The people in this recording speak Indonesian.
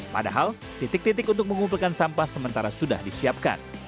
padahal titik titik untuk mengumpulkan sampah sementara sudah disiapkan